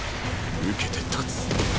受けて立つ！